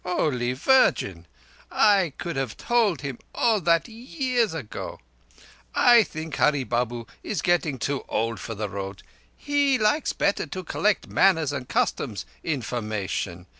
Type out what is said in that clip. Holy Virgin! I could have told him all that yeears ago. I think Hurree Babu is getting too old for the Road. He likes better to collect manners and customs information.